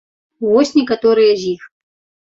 Вось некаторыя з іх.